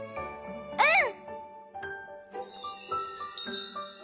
うん！